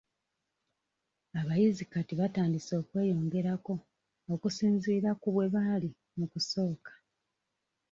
Abayizi kati batandise okweyongerako okusinziira ku bwe baali mu kusooka.